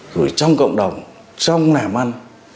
rồi trong cộng đồng trong nàm ăn